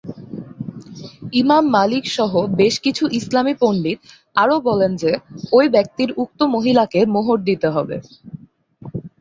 ইমাম মালিক সহ বেশ কিছু ইসলামি পণ্ডিত আরও বলেন যে ঐ ব্যক্তির উক্ত মহিলাকে মোহর দিতে হবে।